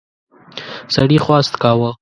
سړي خواست کاوه.